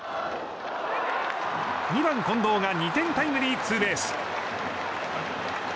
２番、近藤が２点タイムリーツーベース。